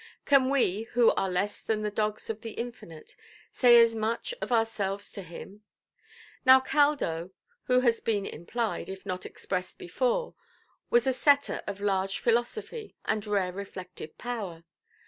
Can we, who are less than the dogs of the Infinite, say as much of ourselves to Him? Now Caldo, as has been implied, if not expressed before, was a setter of large philosophy and rare reflective power.